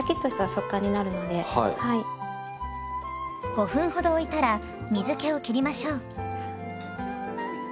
５分ほどおいたら水けをきりましょう。